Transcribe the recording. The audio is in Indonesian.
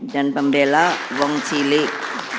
dan pembela wong cilik